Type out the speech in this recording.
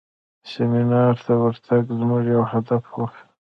سیمینار ته ورتګ زموږ یو هدف و.